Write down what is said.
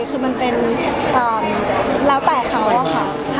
คือมันเป็นแล้วแต่เขาอะค่ะ